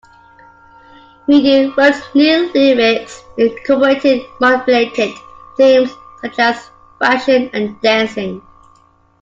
Meaden wrote new lyrics, incorporating mod-related themes such as fashion and dancing.